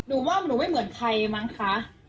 หนูว่าหนูไม่เหมือนใครมั้งคะ